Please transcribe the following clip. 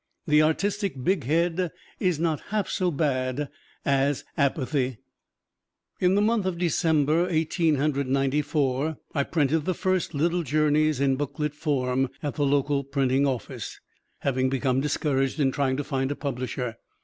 The artistic big head is not half so bad as apathy. In the month of December, Eighteen Hundred Ninety four, I printed the first "Little Journeys" in booklet form, at the local printing office, having become discouraged in trying to find a publisher.